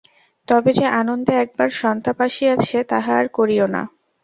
তবে যে আনন্দে একবার সন্তাপ আসিয়াছে, তাহা আর করিও না।